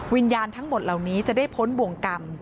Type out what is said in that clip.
วิญญาณทั้งหมดเหล่านี้จะได้พ้นบ่วงกรรม